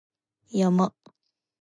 山